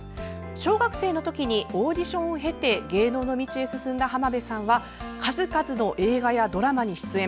小学生の時にオーディションを経て芸能の道へ進んだ浜辺さんは数々の映画やドラマに出演。